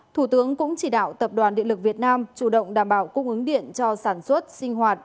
thủ tướng cũng chỉ đạo tập đoàn điện lực việt nam chủ động đảm bảo cung ứng điện cho sản xuất sinh hoạt